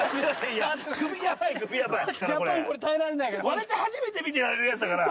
割れて初めて見てられるやつだから。